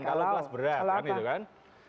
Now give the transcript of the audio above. kalau kelas berat kan itu kan